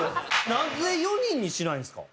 なぜ４人にしないんですか？